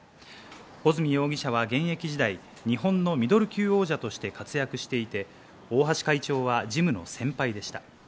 保住容疑者は現役時代、日本のミドル級王者として活躍していて、大橋会長はジムの先輩でした。